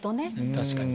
確かに。